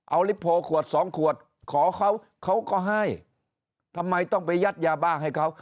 เอาลิโพลขวดสองขวดขอเขาเขาก็ให้ทำไมต้องไปยัดยาบ้าให้เขา